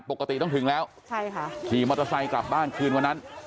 ปกติต้องถึงแล้วใช่ค่ะขี่มอเตอร์ไซค์กลับบ้านคืนวันนั้น